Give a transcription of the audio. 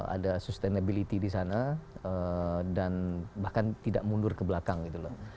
ada sustainability di sana dan bahkan tidak mundur ke belakang gitu loh